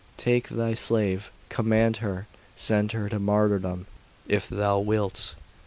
Take thy slave! Command her send her to martyrdom, if thou wilt!"